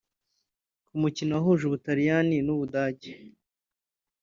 Ku mukino wahuje Ubutaliyani n’Ubudage